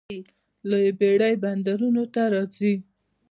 لویې بیړۍ بندرونو ته راځي.